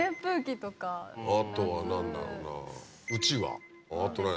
あとは何だろうな？